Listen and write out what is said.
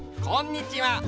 こんにちは！